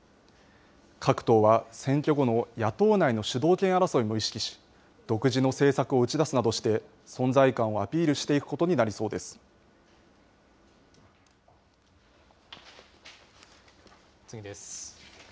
各党は、選挙後の野党内の主導権争いも意識し、独自の政策を打ち出すなどして、存在感をアピール次です。